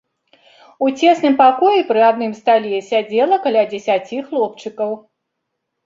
У цесным пакоі пры адным стале сядзела каля дзесяці хлопчыкаў.